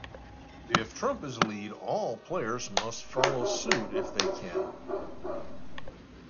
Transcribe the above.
If trump is lead, all players must follow suit if they can.